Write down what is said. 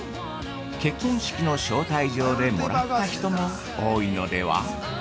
結婚式の招待状でもらった人も多いのでは？